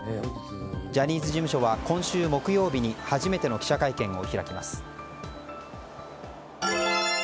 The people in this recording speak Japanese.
ジャニーズ事務所は今週木曜日に初めての記者会見を開きます。